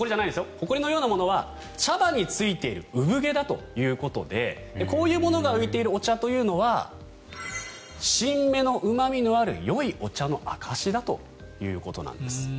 ほこりのようなものは茶葉についている産毛だということでこういうものが浮いているお茶というのは新芽のうま味のあるよいお茶の証しだということなんです。